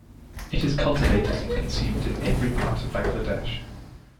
It is cultivated and consumed in every part of Bangladesh.